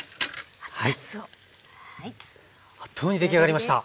あっという間に出来上がりました。